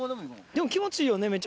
でも気持ちいいよね